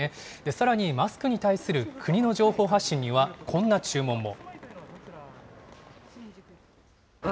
さらに、マスクに対する国の情報発信には、こんな注文も。